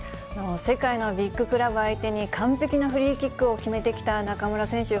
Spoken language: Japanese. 世界のビッグクラブ相手に、完璧なフリーキックを決めてきた中村選手。